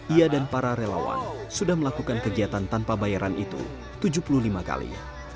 ia dan para relawan sudah melakukan kegiatan tanpa bayaran itu tujuh puluh lima kali